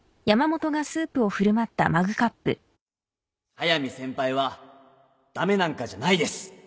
速見先輩は駄目なんかじゃないです！